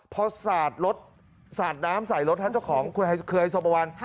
พอสาดรถสาดน้ำใส่รถท่านเจ้าของคือไฮโซประวัน